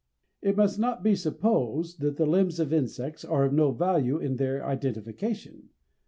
It must not be supposed that the limbs of insects are of no value in their identification.